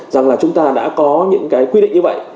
rằng là chúng ta đã có những cái quy định như vậy